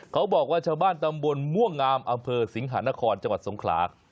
เขาบอกว่าชาวบ้านตำบลม่วงอามอำเภอสิงหานครจังหวัดสงขลาคร